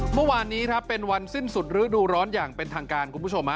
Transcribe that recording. เมื่อวานนี้ครับเป็นวันสิ้นสุดฤดูร้อนอย่างเป็นทางการคุณผู้ชม